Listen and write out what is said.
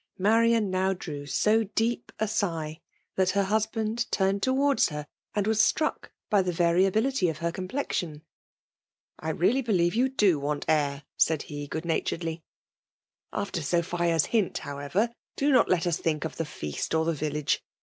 : Marian now drew so deep a^igh, that her husband turned towards her, and was struck •by ibe variability of her complexion. I' really believe you do want air !*' said he, goodnaturedly. ''After Sophia's hint, how 44 FEMALE DOMINATION. ever^ do not let us think of the feast or the village.